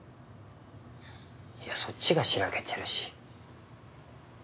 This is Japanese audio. いやそっちがしらけてるし。